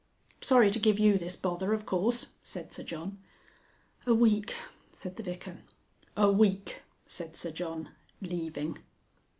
"Sorry to give you this bother, of course," said Sir John. "A week," said the Vicar. "A week," said Sir John, leaving.